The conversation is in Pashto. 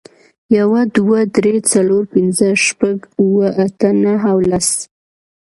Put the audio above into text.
یو، دوه، درې، څلور، پینځه، شپږ، اووه، اته، نهه او لس